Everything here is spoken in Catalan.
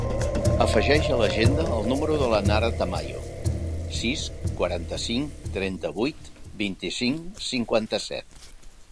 Afegeix a l'agenda el número de la Nara Tamayo: sis, quaranta-cinc, trenta-vuit, vint-i-cinc, cinquanta-set.